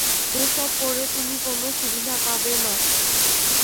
এসব করে তুমি কোনো সুবিধা পাবে না।